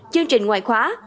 chương trình ngoài khóa